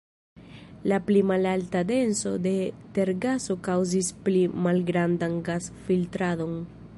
La pli malalta denso de tergaso kaŭzis pli malgrandan gas-filtradon.